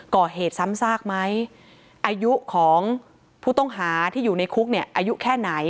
ก่อเหตุซ้ำซากไหมอายุของผู้ต้องหาที่อยู่ในคุกเนี่ยอายุแค่ไหน